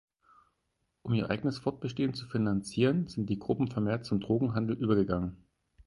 Um ihr eigenes Fortbestehen zu finanzieren, sind die Gruppen vermehrt zum Drogenhandel übergegangen.